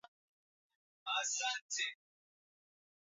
kutumia kiuno kingi cha siku ya pili ndani